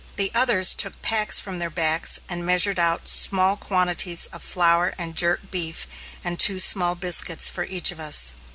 The others took packs from their backs and measured out small quantities of flour and jerked beef and two small biscuits for each of us.